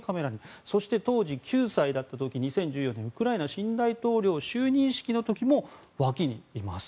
そして、当時９歳だった時に２０１４年ウクライナ新大統領就任式の時も出席しています。